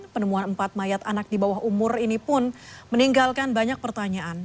penemuan empat mayat anak di bawah umur ini pun meninggalkan banyak pertanyaan